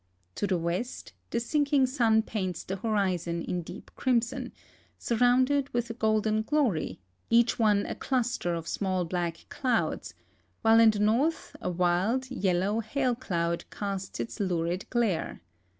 To the west, the sinking sun paints the hori zon in deep crimson, surrounded with a golden glory, each one a cluster of small black clouds, while in the north a wild, yellow hail cloud casts its lurid glare.